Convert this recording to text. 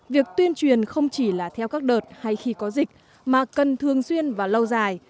việc tuyên truyền không chỉ là theo các đợt hay khi có dịch mà cần thường xuyên và lâu dài